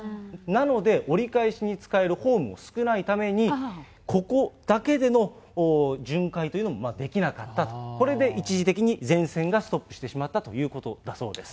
なので折り返しに仕えるホームも少ないために、ここだけでの巡回というのもできなかったと、これで一時的に全線がストップしてしまったということだそうです。